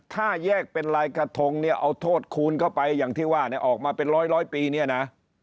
ถ้าแยกเป็นลายกระทงเนี่ยเอาโทษคูณเข้าไปอย่างที่ว่าเนี่ยออกมาเป็นร้อยปีเนี่ยนะ